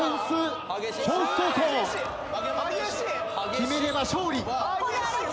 決めれば勝利。